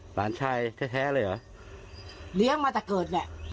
หลานชายแท้แท้เลยเหรอเลี้ยงมาแต่เกิดเนี่ย